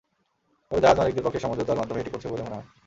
তবে জাহাজ মালিকদের পক্ষ সমঝোতার মাধ্যমে এটি করছে বলে মনে হয়।